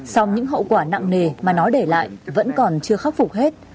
song những hậu quả nặng nề mà nó để lại vẫn còn chưa khắc phục hết